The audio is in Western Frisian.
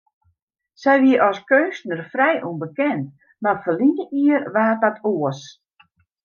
Sy wie as keunstner frij ûnbekend, mar ferline jier waard dat oars.